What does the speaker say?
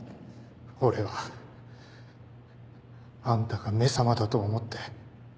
俺はあんたが「め様」だと思って。